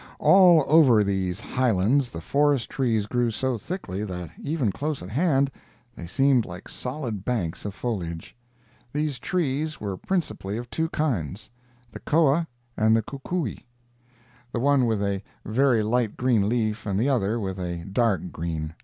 All over these highlands the forest trees grew so thickly that, even close at hand, they seemed like solid banks of foliage. These trees were principally of two kinds—the koa and the kukui—the one with a very light green leaf and the other with a dark green.